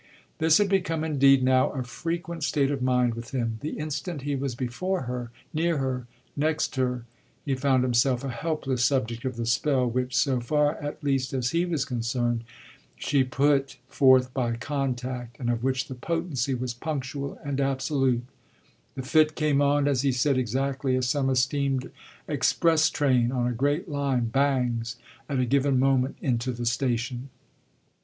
This had become indeed now a frequent state of mind with him; the instant he was before her, near her, next her, he found himself a helpless subject of the spell which, so far at least as he was concerned, she put forth by contact and of which the potency was punctual and absolute: the fit came on, as he said, exactly as some esteemed express train on a great line bangs at a given moment into the station.